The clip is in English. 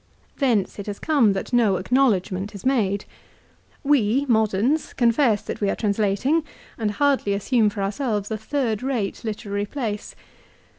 Thence it has come that no acknowledgment is made. We, moderns, confess that we are translating and hardly assume for ourselves a third rate literary place.